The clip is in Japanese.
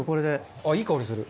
あっいい香りする。